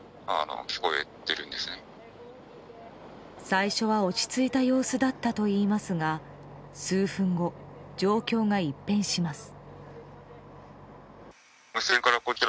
最初は落ち着いた様子だったといいますが数分後、状況が一変します。